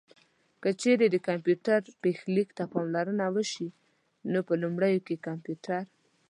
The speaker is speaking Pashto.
که چېرې د کمپيوټر پيښليک ته پاملرنه وشي نو په لومړيو کې کمپيوټر